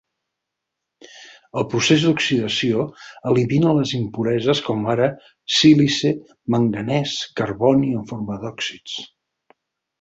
El procés d'oxidació elimina les impureses com ara sílice, manganès, carboni en forma d'òxids.